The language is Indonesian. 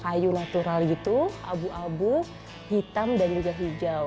kayu natural gitu abu abu hitam dan juga hijau